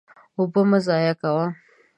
اوبه مه ضایع کوه.